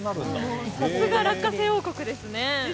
さすが落花生王国ですね。